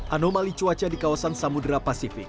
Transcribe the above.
anomali cuaca di kawasan samudera pasifik